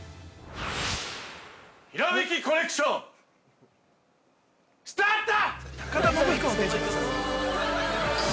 ◆ひらめきコレクションスタート！